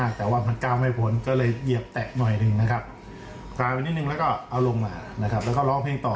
กลายไปนิดนึงแล้วก็เอาลงมานะครับแล้วก็ร้องเพลงต่อ